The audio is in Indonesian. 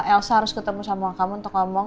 elsa harus ketemu sama kamu untuk ngomong